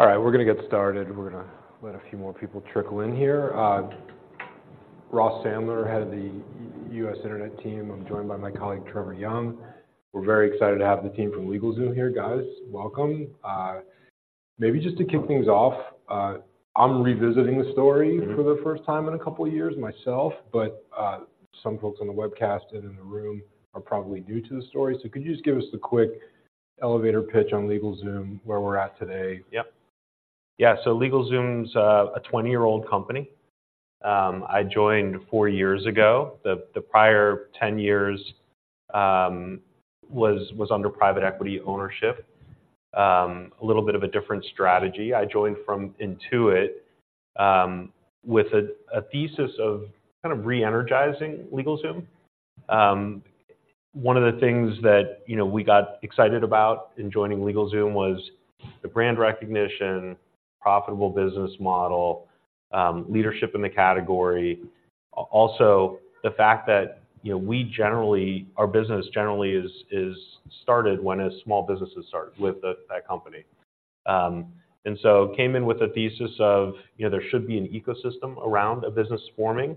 All right, we're gonna get started. We're gonna let a few more people trickle in here. Ross Sandler, head of the U.S. Internet team. I'm joined by my colleague, Trevor Young. We're very excited to have the team from LegalZoom here. Guys, welcome. Maybe just to kick things off, I'm revisiting the story- Mm-hmm. - for the first time in a couple of years myself, but, some folks on the webcast and in the room are probably new to the story. So could you just give us a quick elevator pitch on LegalZoom, where we're at today? Yep. Yeah, so LegalZoom's a 20-year-old company. I joined four years ago. The prior 10 years was under private equity ownership. A little bit of a different strategy. I joined from Intuit with a thesis of kind of re-energizing LegalZoom. One of the things that, you know, we got excited about in joining LegalZoom was the brand recognition, profitable business model, leadership in the category. Also, the fact that, you know, we generally our business generally is started when a small businesses start with the, a company. And so came in with a thesis of, you know, there should be an ecosystem around a business forming,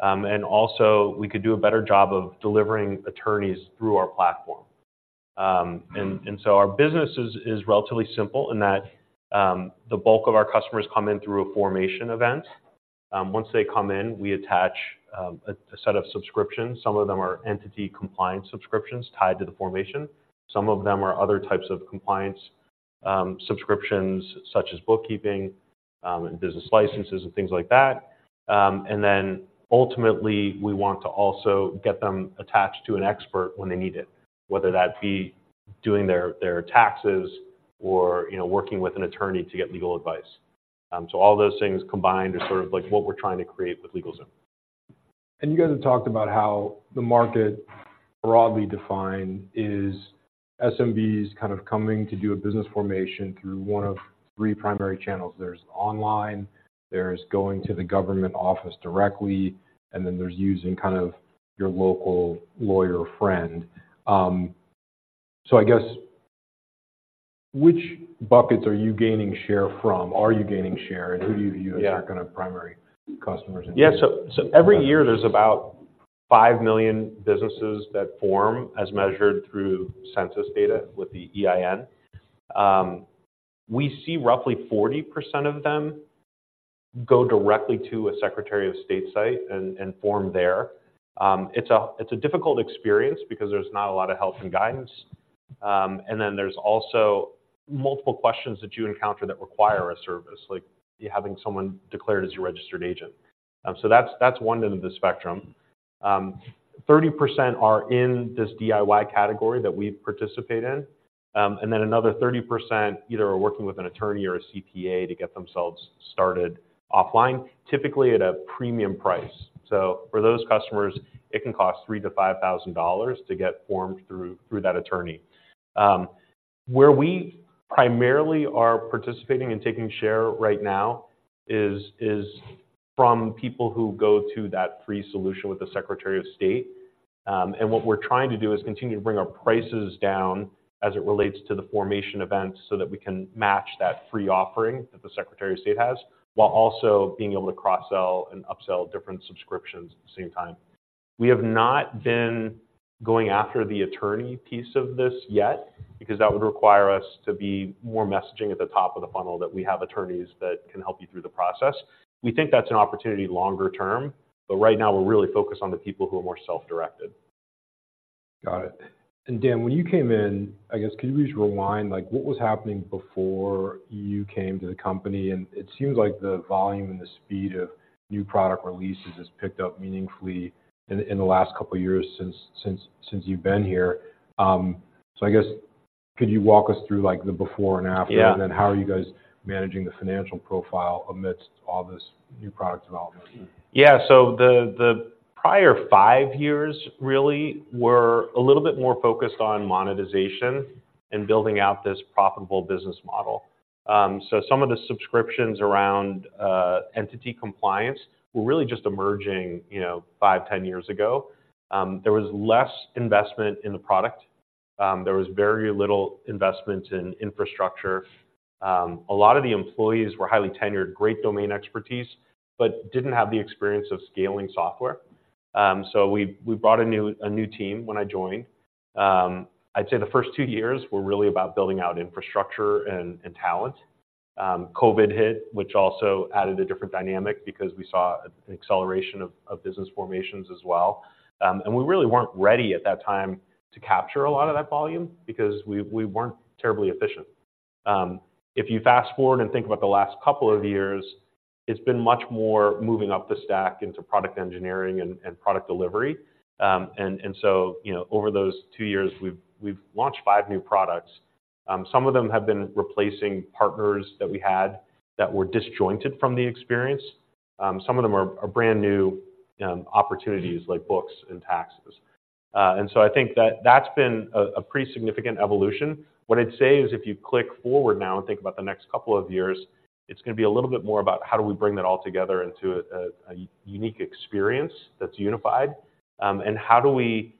and also we could do a better job of delivering attorneys through our platform. So our business is relatively simple in that the bulk of our customers come in through a formation event. Once they come in, we attach a set of subscriptions. Some of them are entity compliance subscriptions tied to the formation. Some of them are other types of compliance subscriptions, such as bookkeeping, business licenses, and things like that. And then ultimately, we want to also get them attached to an expert when they need it, whether that be doing their taxes or, you know, working with an attorney to get legal advice. So all those things combined are sort of like what we're trying to create with LegalZoom. You guys have talked about how the market, broadly defined, is SMBs kind of coming to do a business formation through one of three primary channels. There's online, there's going to the government office directly, and then there's using kind of your local lawyer friend. So I guess, which buckets are you gaining share from? Are you gaining share, and who do you view- Yeah - as your kind of primary customers? Yeah, so every year there's about 5 million businesses that form, as measured through census data with the EIN. We see roughly 40% of them go directly to a Secretary of State site and form there. It's a difficult experience because there's not a lot of help and guidance. And then there's also multiple questions that you encounter that require a service, like you having someone declared as your registered agent. So that's one end of the spectrum. 30% are in this DIY category that we participate in. And then another 30% either are working with an attorney or a CPA to get themselves started offline, typically at a premium price. So for those customers, it can cost $3,000-$5,000 to get formed through that attorney. Where we primarily are participating and taking share right now is from people who go to that free solution with the Secretary of State. What we're trying to do is continue to bring our prices down as it relates to the formation events, so that we can match that free offering that the Secretary of State has, while also being able to cross-sell and upsell different subscriptions at the same time. We have not been going after the attorney piece of this yet, because that would require us to be more messaging at the top of the funnel, that we have attorneys that can help you through the process. We think that's an opportunity longer term, but right now we're really focused on the people who are more self-directed. Got it. And, Dan, when you came in, I guess, could you just rewind, like, what was happening before you came to the company? And it seems like the volume and the speed of new product releases has picked up meaningfully in the last couple of years since you've been here. So I guess, could you walk us through, like, the before and after? Yeah. How are you guys managing the financial profile amidst all this new product development? Yeah. So the prior five years really were a little bit more focused on monetization and building out this profitable business model. So some of the subscriptions around entity compliance were really just emerging, you know, five, 10 years ago. There was less investment in the product. There was very little investment in infrastructure. A lot of the employees were highly tenured, great domain expertise, but didn't have the experience of scaling software. So we brought a new team when I joined. I'd say the first two years were really about building out infrastructure and talent. COVID hit, which also added a different dynamic because we saw an acceleration of business formations as well. And we really weren't ready at that time to capture a lot of that volume because we weren't terribly efficient. If you fast-forward and think about the last couple of years, it's been much more moving up the stack into product engineering and product delivery. And so, you know, over those two years, we've launched five new products. Some of them have been replacing partners that we had that were disjointed from the experience. Some of them are brand-new opportunities, like books and taxes. And so I think that that's been a pretty significant evolution. What I'd say is, if you click forward now and think about the next couple of years, it's gonna be a little bit more about how do we bring that all together into a unique experience that's unified, and how do we-...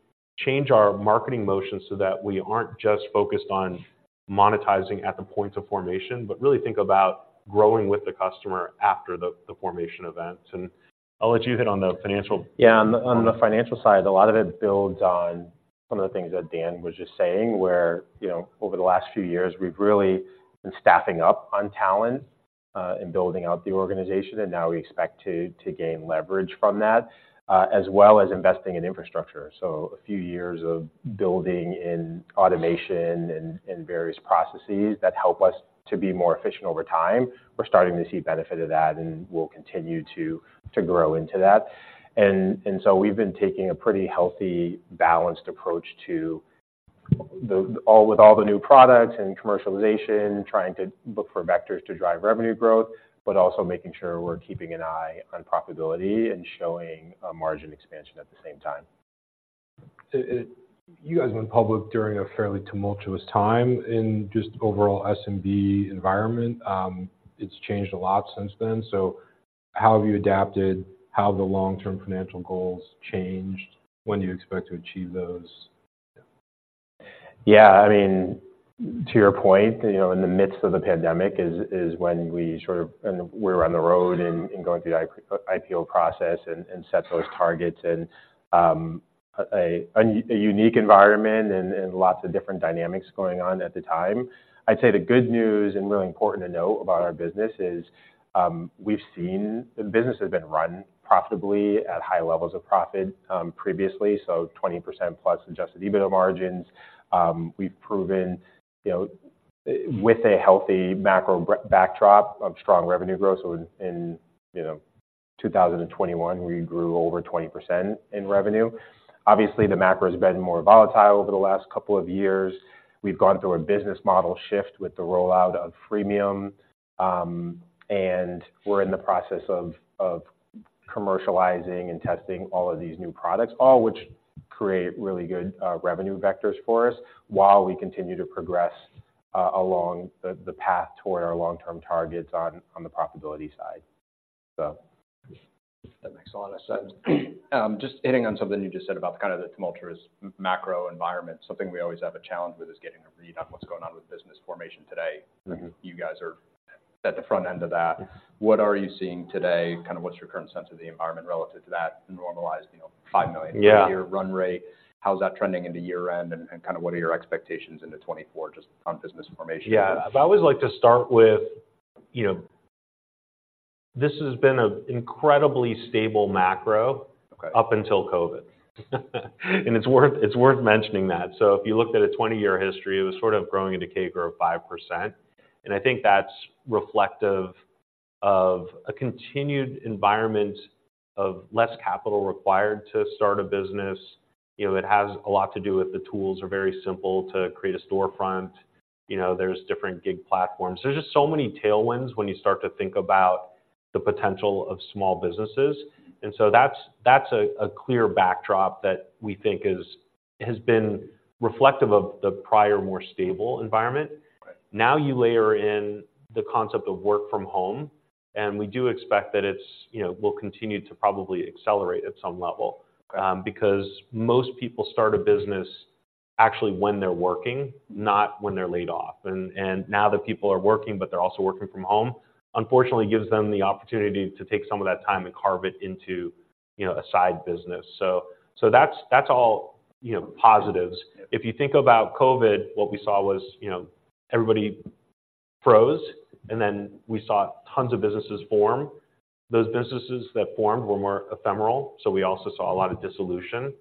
change our marketing motions so that we aren't just focused on monetizing at the point of formation, but really think about growing with the customer after the formation event. I'll let you hit on the financial- Yeah, on the financial side, a lot of it builds on some of the things that Dan was just saying, where, you know, over the last few years, we've really been staffing up on talent and building out the organization, and now we expect to gain leverage from that as well as investing in infrastructure. So a few years of building in automation and various processes that help us to be more efficient over time. We're starting to see benefit of that, and we'll continue to grow into that. And so we've been taking a pretty healthy, balanced approach to all with all the new products and commercialization, trying to look for vectors to drive revenue growth, but also making sure we're keeping an eye on profitability and showing a margin expansion at the same time. you guys went public during a fairly tumultuous time in just overall SMB environment. It's changed a lot since then. So how have you adapted? How have the long-term financial goals changed? When do you expect to achieve those? Yeah, I mean, to your point, you know, in the midst of the pandemic is when we sort of and we were on the road and going through the IPO process and set those targets, and a unique environment and lots of different dynamics going on at the time. I'd say the good news, and really important to note about our business is, we've seen. The business has been run profitably at high levels of profit, previously, so 20%+ Adjusted EBITDA margins. We've proven, you know, with a healthy macro backdrop of strong revenue growth. So in, you know, 2021, we grew over 20% in revenue. Obviously, the macro has been more volatile over the last couple of years. We've gone through a business model shift with the rollout of freemium, and we're in the process of commercializing and testing all of these new products, all which create really good revenue vectors for us while we continue to progress along the path toward our long-term targets on the profitability side. So- That makes a lot of sense. Just hitting on something you just said about the kind of the tumultuous macro environment. Something we always have a challenge with is getting a read on what's going on with business formation today. Mm-hmm. You guys are at the front end of that. Yeah. What are you seeing today? Kind of what's your current sense of the environment relative to that normalized, you know, 5 million- Yeah. Annual run rate? How's that trending into year-end, and, and kind of what are your expectations into 2024 just on business formation? Yeah. I always like to start with, you know, this has been an incredibly stable macro- Okay... up until COVID. And it's worth, it's worth mentioning that. So if you looked at a 20-year history, it was sort of growing at a CAGR of 5%, and I think that's reflective of a continued environment of less capital required to start a business. You know, it has a lot to do with the tools are very simple to create a storefront. You know, there's different gig platforms. There's just so many tailwinds when you start to think about the potential of small businesses, and so that's, that's a, a clear backdrop that we think is- has been reflective of the prior, more stable environment. Right. Now, you layer in the concept of work from home, and we do expect that it's, you know, will continue to probably accelerate at some level. Right. Because most people start a business actually when they're working, not when they're laid off. And now that people are working, but they're also working from home, unfortunately, gives them the opportunity to take some of that time and carve it into, you know, a side business. So that's all, you know, positives. Yeah. If you think about COVID, what we saw was, you know, everybody froze, and then we saw tons of businesses form. Those businesses that formed were more ephemeral, so we also saw a lot of dissolution.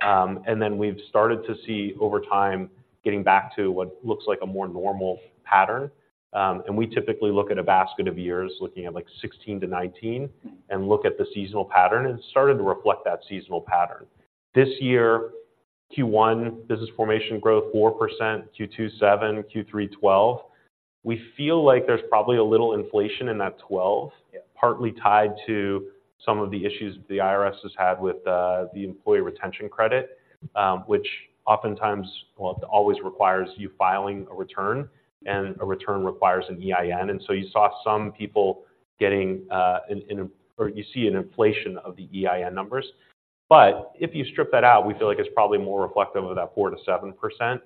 Yeah. And then we've started to see, over time, getting back to what looks like a more normal pattern. And we typically look at a basket of years, looking at, like, 2016-2019, and look at the seasonal pattern, and it's starting to reflect that seasonal pattern. This year, Q1, business formation growth, 4%, Q2, 7%, Q3, 12%. We feel like there's probably a little inflation in that 12%- Yeah... partly tied to some of the issues the IRS has had with the Employee Retention Credit, which oftentimes, well, it always requires you filing a return, and a return requires an EIN. And so you saw some people getting, or you see an inflation of the EIN numbers. But if you strip that out, we feel like it's probably more reflective of that 4%-7%,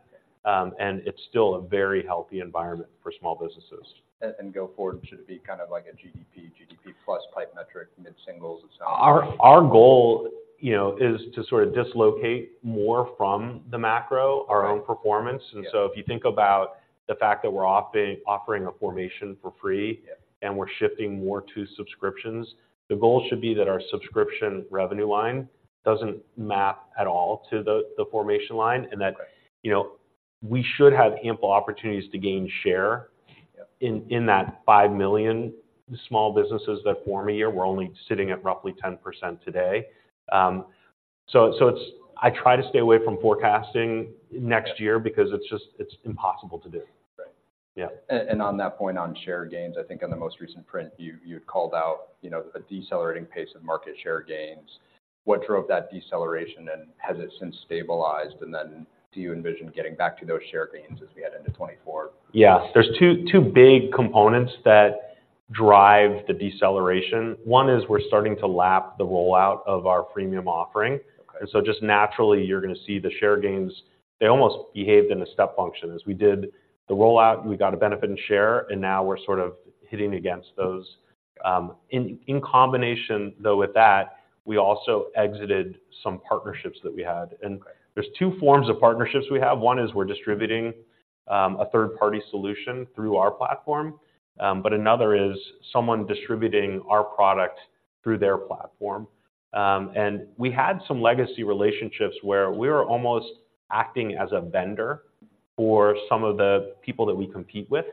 and it's still a very healthy environment for small businesses. go forward, should it be kind of like a GDP, GDP-plus type metric, mid-singles and so on? Our goal, you know, is to sort of dislocate more from the macro- Right... our own performance. Yeah. And so if you think about the fact that we're offering a formation for free- Yeah... and we're shifting more to subscriptions, the goal should be that our subscription revenue line doesn't map at all to the formation line, and that- Right... you know, we should have ample opportunities to gain share- Yeah... in that 5 million small businesses that form a year, we're only sitting at roughly 10% today. So it's-- I try to stay away from forecasting next year- Yeah... because it's just, it's impossible to do. Right. Yeah. On that point, on share gains, I think on the most recent print, you had called out, you know, a decelerating pace of market share gains. What drove that deceleration, and has it since stabilized? And then do you envision getting back to those share gains as we head into 2024? Yeah. There's two big components that drive the deceleration. One is we're starting to lap the rollout of our premium offering. Okay. And so just naturally, you're gonna see the share gains. They almost behaved in a step function. As we did the rollout, we got a benefit in share, and now we're sort of hitting against those. In combination, though, with that, we also exited some partnerships that we had. Okay. There's two forms of partnerships we have. One is we're distributing a third-party solution through our platform, but another is someone distributing our product through their platform. And we had some legacy relationships where we were almost acting as a vendor for some of the people that we compete with.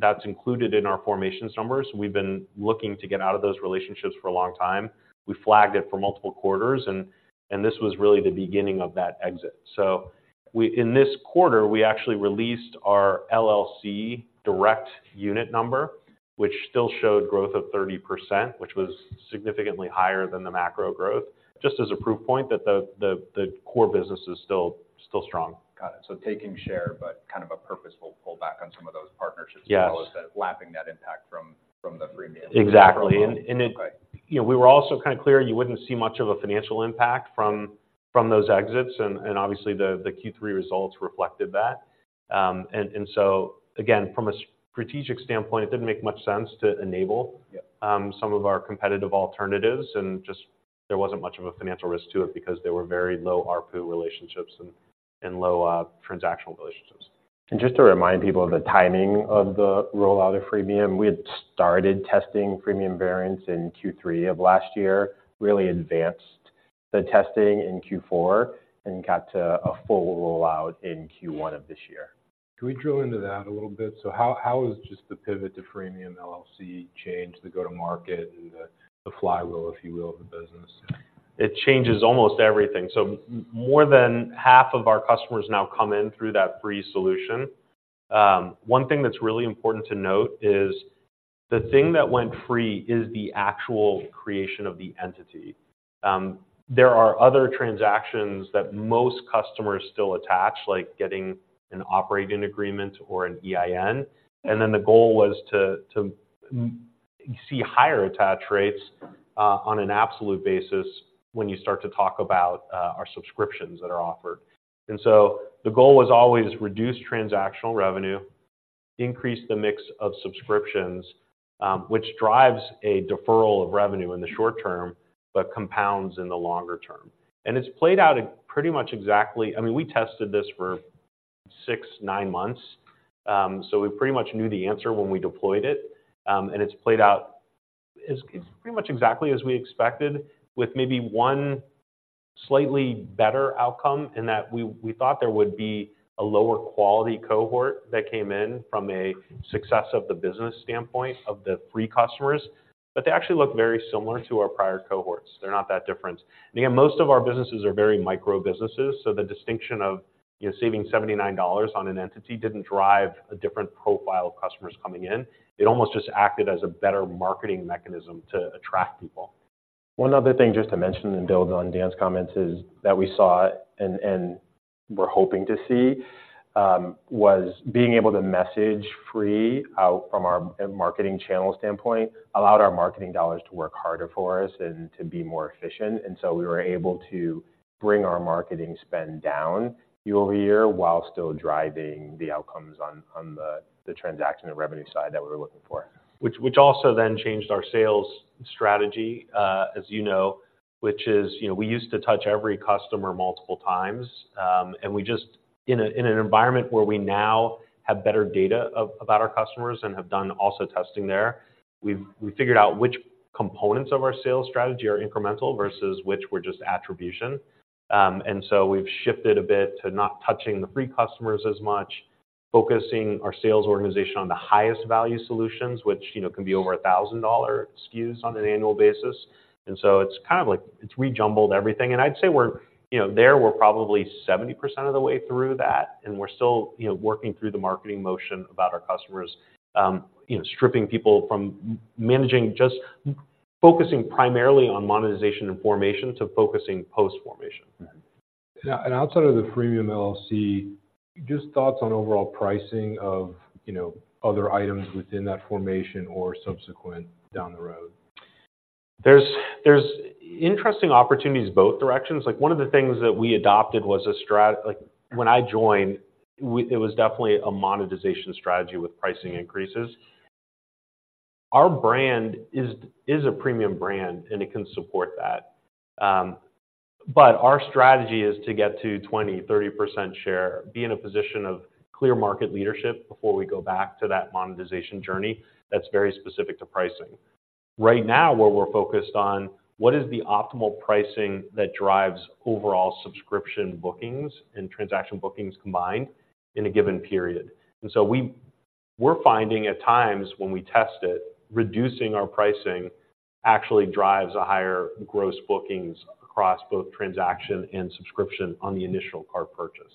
That's included in our formations numbers. We've been looking to get out of those relationships for a long time. We flagged it for multiple quarters, and this was really the beginning of that exit. So we in this quarter, we actually released our LLC direct unit number, which still showed growth of 30%, which was significantly higher than the macro growth. Just as a proof point, that the core business is still strong. Got it. So taking share, but kind of a purposeful pullback on some of those partnerships- Yes. as well as the lapping net impact from the freemium. Exactly. And it- Okay. You know, we were also kind of clear you wouldn't see much of a financial impact from those exits, and obviously, the Q3 results reflected that. And so again, from a strategic standpoint, it didn't make much sense to enable- Yeah... some of our competitive alternatives, and just there wasn't much of a financial risk to it because they were very low ARPU relationships and low, transactional relationships. Just to remind people of the timing of the rollout of freemium, we had started testing freemium variants in Q3 of last year, really advanced the testing in Q4, and got to a full rollout in Q1 of this year. Can we drill into that a little bit? So how is just the pivot to freemium LLC change the go-to-market and the flywheel, if you will, of the business? It changes almost everything. So more than half of our customers now come in through that free solution. One thing that's really important to note is the thing that went free is the actual creation of the entity. There are other transactions that most customers still attach, like getting an operating agreement or an EIN, and then the goal was to see higher attach rates on an absolute basis when you start to talk about our subscriptions that are offered. And so the goal was always reduce transactional revenue, increase the mix of subscriptions, which drives a deferral of revenue in the short term, but compounds in the longer term. And it's played out in pretty much exactly... I mean, we tested this for six to nine months, so we pretty much knew the answer when we deployed it. It's played out as pretty much exactly as we expected, with maybe one slightly better outcome, in that we thought there would be a lower quality cohort that came in from a success of the business standpoint of the free customers, but they actually look very similar to our prior cohorts. They're not that different. And again, most of our businesses are very micro businesses, so the distinction of, you know, saving $79 on an entity didn't drive a different profile of customers coming in. It almost just acted as a better marketing mechanism to attract people. One other thing just to mention and build on Dan's comments is that we saw, and we're hoping to see, being able to message free out from our marketing channel standpoint allowed our marketing dollars to work harder for us and to be more efficient, and so we were able to bring our marketing spend down year-over-year, while still driving the outcomes on the transaction and revenue side that we were looking for. Which also then changed our sales strategy, as you know, which is, you know, we used to touch every customer multiple times, and we just... In an environment where we now have better data about our customers and have done also testing there, we've figured out which components of our sales strategy are incremental versus which were just attribution. And so we've shifted a bit to not touching the free customers as much, focusing our sales organization on the highest value solutions, which, you know, can be over $1,000 SKUs on an annual basis. And so it's kind of like it's rejumbled everything, and I'd say we're, you know, there, we're probably 70% of the way through that, and we're still, you know, working through the marketing motion about our customers, stripping people from managing, just focusing primarily on monetization and formation to focusing post-formation. Mm-hmm. Now, outside of the freemium LLC, just thoughts on overall pricing of, you know, other items within that formation or subsequent down the road? There's interesting opportunities both directions. Like, one of the things that we adopted was a strategy. Like, when I joined, it was definitely a monetization strategy with pricing increases. Our brand is a premium brand, and it can support that. But our strategy is to get to 20%-30% share, be in a position of clear market leadership before we go back to that monetization journey. That's very specific to pricing. Right now, where we're focused on, what is the optimal pricing that drives overall subscription bookings and transaction bookings combined in a given period? And so we're finding at times when we test it, reducing our pricing actually drives a higher gross bookings across both transaction and subscription on the initial cart purchase.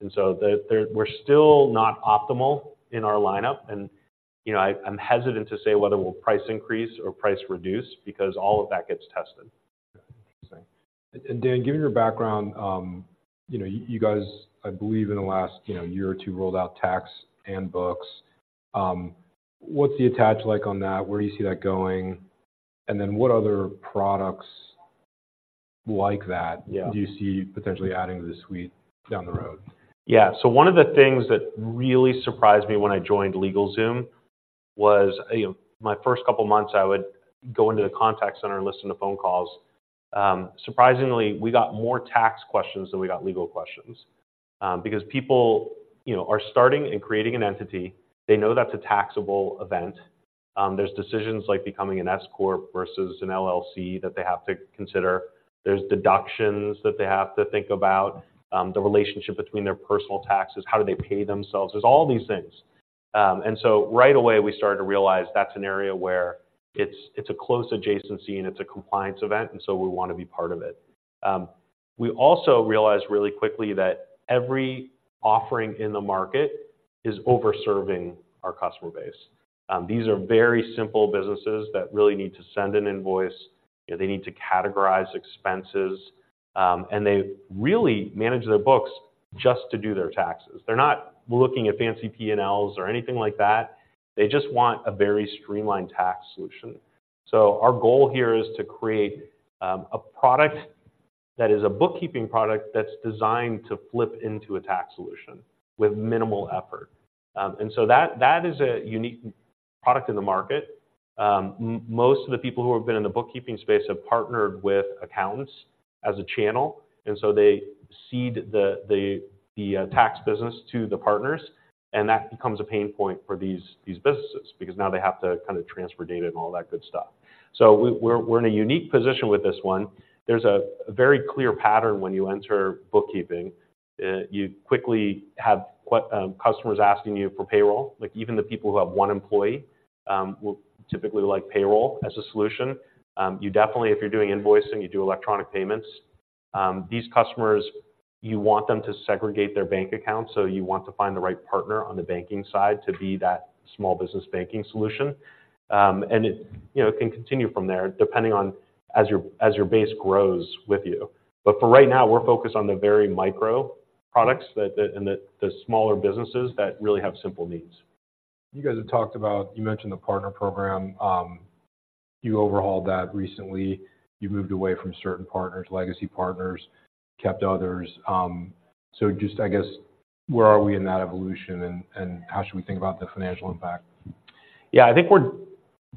We're still not optimal in our lineup and, you know, I'm hesitant to say whether we'll price increase or price reduce, because all of that gets tested.... Interesting. And, Dan, given your background, you know, you guys, I believe, in the last, you know, year or two, rolled out tax and books. What's the attach like on that? Where do you see that going? And then what other products like that- Yeah. Do you see potentially adding to the suite down the road? Yeah. So one of the things that really surprised me when I joined LegalZoom was, you know, my first couple months, I would go into the contact center and listen to phone calls. Surprisingly, we got more tax questions than we got legal questions. Because people, you know, are starting and creating an entity, they know that's a taxable event. There's decisions like becoming an S Corp versus an LLC that they have to consider. There's deductions that they have to think about, the relationship between their personal taxes, how do they pay themselves? There's all these things. And so right away, we started to realize that's an area where it's, it's a close adjacency, and it's a compliance event, and so we want to be part of it. We also realized really quickly that every offering in the market is over-serving our customer base. These are very simple businesses that really need to send an invoice, they need to categorize expenses, and they really manage their books just to do their taxes. They're not looking at fancy P&Ls or anything like that. They just want a very streamlined tax solution. So our goal here is to create a product that is a bookkeeping product that's designed to flip into a tax solution with minimal effort. And so that is a unique product in the market. Most of the people who have been in the bookkeeping space have partnered with accountants as a channel, and so they cede the tax business to the partners, and that becomes a pain point for these businesses because now they have to kind of transfer data and all that good stuff. So we're in a unique position with this one. There's a very clear pattern when you enter bookkeeping. You quickly have customers asking you for payroll. Like, even the people who have one employee will typically like payroll as a solution. You definitely, if you're doing invoicing, you do electronic payments. These customers, you want them to segregate their bank accounts, so you want to find the right partner on the banking side to be that small business banking solution. And it, you know, it can continue from there, depending on as your base grows with you. But for right now, we're focused on the very micro products and the smaller businesses that really have simple needs. You guys have talked about... You mentioned the partner program. You overhauled that recently. You moved away from certain partners, legacy partners, kept others. So just, I guess, where are we in that evolution, and, and how should we think about the financial impact? Yeah, I think we're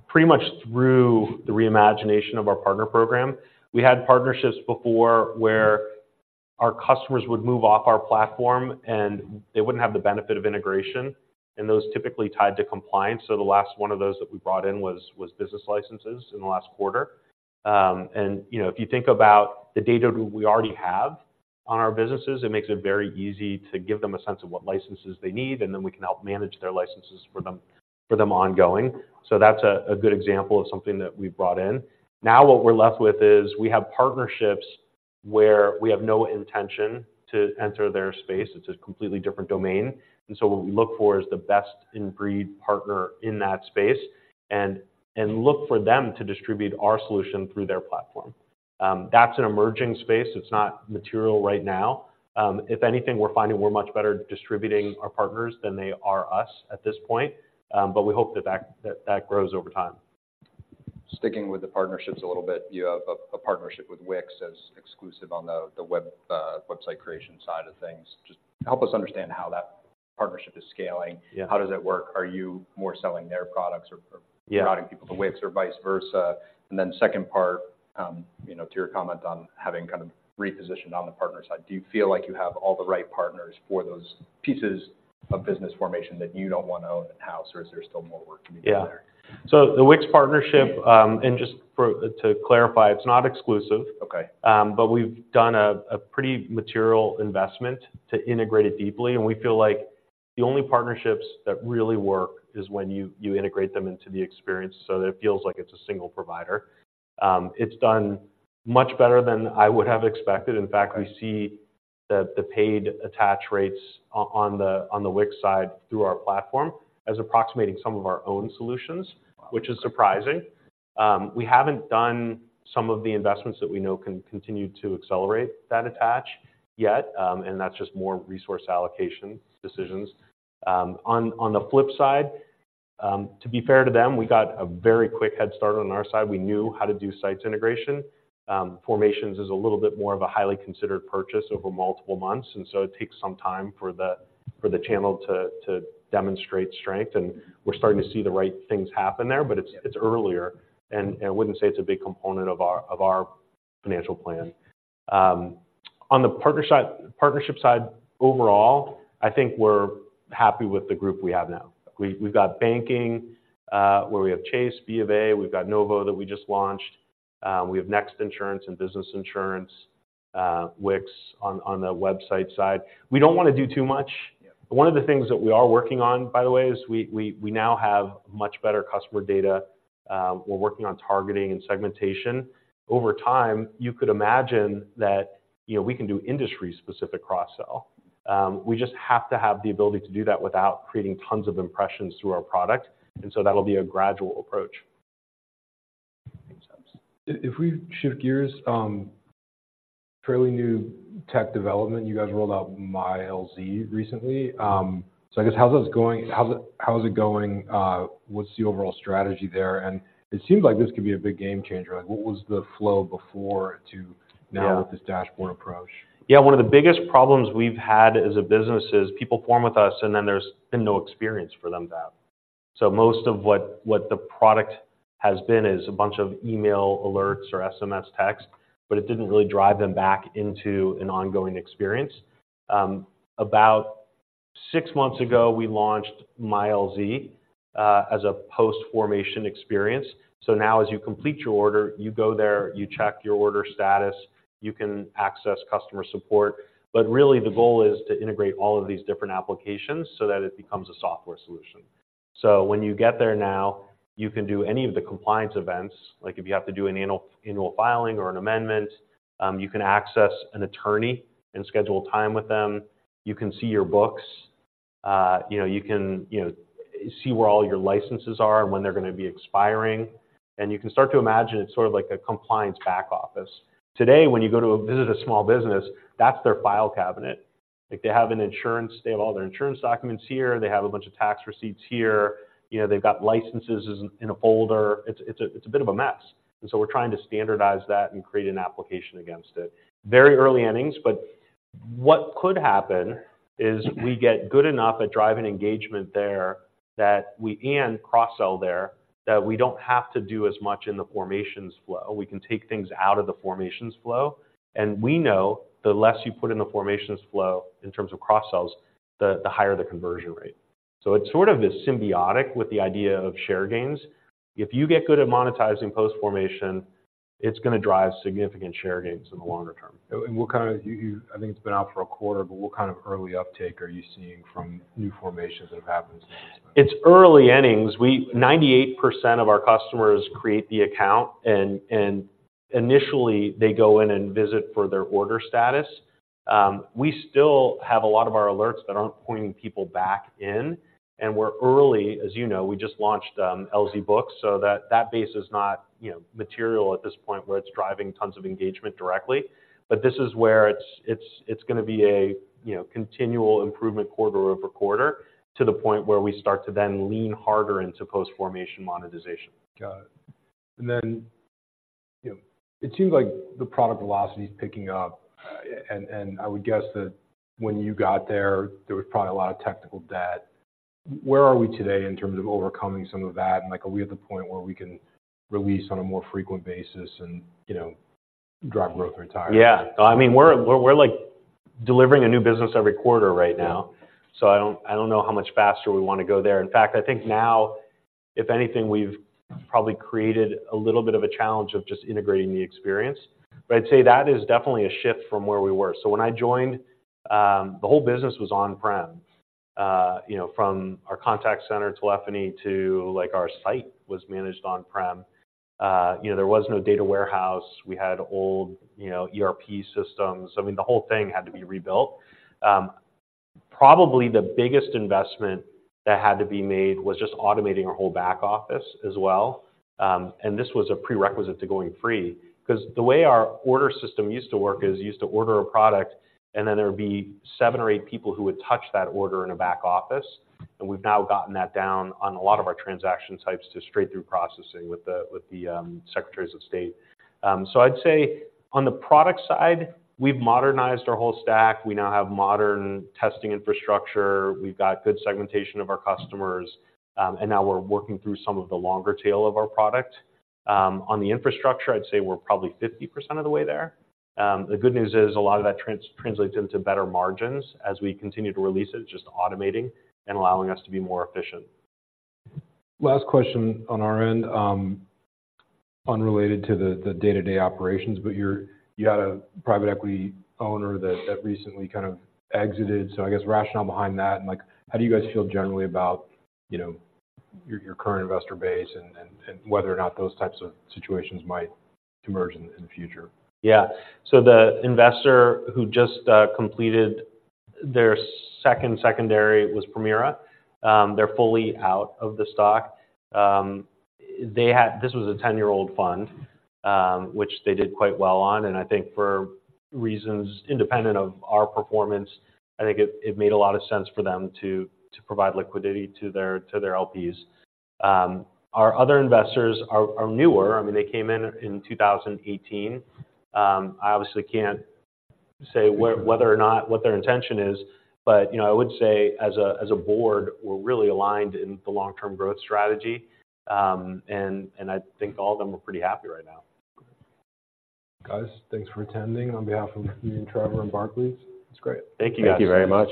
pretty much through the reimagination of our partner program. We had partnerships before where our customers would move off our platform, and they wouldn't have the benefit of integration, and those typically tied to compliance. So the last one of those that we brought in was business licenses in the last quarter. And, you know, if you think about the data we already have on our businesses, it makes it very easy to give them a sense of what licenses they need, and then we can help manage their licenses for them ongoing. So that's a good example of something that we brought in. Now, what we're left with is we have partnerships where we have no intention to enter their space. It's a completely different domain, and so what we look for is the best-in-breed partner in that space, and look for them to distribute our solution through their platform. That's an emerging space. It's not material right now. If anything, we're finding we're much better distributing our partners than they are us at this point, but we hope that that grows over time. Sticking with the partnerships a little bit, you have a partnership with Wix as exclusive on the web, website creation side of things. Just help us understand how that partnership is scaling. Yeah. How does it work? Are you more selling their products or- Yeah... routing people to Wix or vice versa? And then second part, you know, to your comment on having kind of repositioned on the partner side, do you feel like you have all the right partners for those pieces of business formation that you don't want to own in-house, or is there still more work to be done there? Yeah. So the Wix partnership, and just to clarify, it's not exclusive. Okay. But we've done a pretty material investment to integrate it deeply, and we feel like the only partnerships that really work is when you integrate them into the experience so that it feels like it's a single provider. It's done much better than I would have expected. Right. In fact, we see the paid attach rates on the Wix side through our platform as approximating some of our own solutions. Wow! -which is surprising. We haven't done some of the investments that we know can continue to accelerate that attach yet, and that's just more resource allocation decisions. On the flip side, to be fair to them, we got a very quick head start on our side. We knew how to do sites integration. Formations is a little bit more of a highly considered purchase over multiple months, and so it takes some time for the channel to demonstrate strength, and we're starting to see the right things happen there, but it's- Yeah... it's earlier, and I wouldn't say it's a big component of our financial plan. On the partner side—partnership side, overall, I think we're happy with the group we have now. We've got banking, where we have Chase, B of A, we've got Novo that we just launched. We have Next Insurance and business insurance, Wix on the website side. We don't want to do too much. Yeah. One of the things that we are working on, by the way, is we now have much better customer data. We're working on targeting and segmentation. Over time, you could imagine that, you know, we can do industry-specific cross-sell. We just have to have the ability to do that without creating tons of impressions through our product, and so that'll be a gradual approach.... If we shift gears, fairly new tech development, you guys rolled out MyLZ recently. So I guess how's that going? How is it going? What's the overall strategy there? And it seems like this could be a big game changer. Like, what was the flow before to now with this dashboard approach? Yeah, one of the biggest problems we've had as a business is people form with us, and then there's been no experience for them to have. So most of what the product has been is a bunch of email alerts or SMS texts, but it didn't really drive them back into an ongoing experience. About six months ago, we launched MyLZ as a post-formation experience. So now as you complete your order, you go there, you check your order status, you can access customer support. But really, the goal is to integrate all of these different applications so that it becomes a software solution. So when you get there now, you can do any of the compliance events, like if you have to do an annual filing or an amendment, you can access an attorney and schedule time with them. You can see your books, you know, you can, you know, see where all your licenses are and when they're going to be expiring. You can start to imagine it's sort of like a compliance back office. Today, when you go to visit a small business, that's their file cabinet. Like, they have all their insurance documents here, they have a bunch of tax receipts here, you know, they've got licenses in a folder. It's a bit of a mess, and so we're trying to standardize that and create an application against it. Very early innings, but what could happen is we get good enough at driving engagement there and cross-sell there, that we don't have to do as much in the formations flow. We can take things out of the formations flow, and we know the less you put in the formations flow in terms of cross-sells, the higher the conversion rate. So it's sort of this symbiotic with the idea of share gains. If you get good at monetizing post-formation, it's going to drive significant share gains in the longer term. I think it's been out for a quarter, but what kind of early uptake are you seeing from new formations that have happened since? It's early innings. We 98% of our customers create the account, and initially, they go in and visit for their order status. We still have a lot of our alerts that aren't pointing people back in, and we're early. As you know, we just launched LZ Books, so that base is not, you know, material at this point where it's driving tons of engagement directly. But this is where it's going to be a, you know, continual improvement quarter-over-quarter, to the point where we start to then lean harder into post-formation monetization. Got it. And then, you know, it seems like the product velocity is picking up, and I would guess that when you got there, there was probably a lot of technical debt. Where are we today in terms of overcoming some of that? And, like, are we at the point where we can release on a more frequent basis and, you know, drive growth entirely? Yeah. I mean, we're like delivering a new business every quarter right now, so I don't know how much faster we want to go there. In fact, I think now, if anything, we've probably created a little bit of a challenge of just integrating the experience. But I'd say that is definitely a shift from where we were. So when I joined, the whole business was on-prem, you know, from our contact center, telephony, to, like, our site was managed on-prem. You know, there was no data warehouse. We had old, you know, ERP systems. I mean, the whole thing had to be rebuilt. Probably the biggest investment that had to be made was just automating our whole back office as well. And this was a prerequisite to going free, 'cause the way our order system used to work is, you used to order a product, and then there would be seven or eight people who would touch that order in a back office, and we've now gotten that down on a lot of our transaction types to straight-through processing with the secretaries of state. So I'd say on the product side, we've modernized our whole stack. We now have modern testing infrastructure, we've got good segmentation of our customers, and now we're working through some of the longer tail of our product. On the infrastructure, I'd say we're probably 50% of the way there. The good news is, a lot of that translates into better margins as we continue to release it, just automating and allowing us to be more efficient. Last question on our end, unrelated to the day-to-day operations, but you had a private equity owner that recently kind of exited. So I guess rationale behind that, and, like, how do you guys feel generally about, you know, your current investor base and whether or not those types of situations might emerge in the future? Yeah. So the investor who just completed their second secondary was Permira. They're fully out of the stock. They had... This was a 10-year-old fund, which they did quite well on, and I think for reasons independent of our performance, I think it made a lot of sense for them to provide liquidity to their LPs. Our other investors are newer. I mean, they came in in 2018. I obviously can't say whether or not what their intention is, but, you know, I would say as a board, we're really aligned in the long-term growth strategy. And I think all of them are pretty happy right now. Guys, thanks for attending on behalf of me and Trevor and Barclays. It's great. Thank you, guys. Thank you very much.